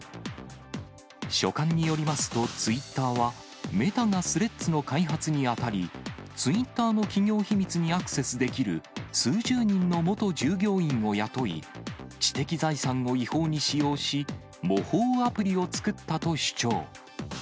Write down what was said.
書簡によりますと、ツイッターは、メタがスレッズの開発にあたり、ツイッターの企業秘密にアクセスできる数十人の元従業員を雇い、知的財産を違法に使用し、模倣アプリを作ったと主張。